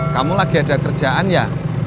kamu lagi ada kerjaan ya